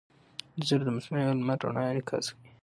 انځور د مصنوعي او لمر رڼا انعکاس ښيي.